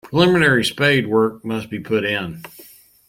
Preliminary spadework must be put in.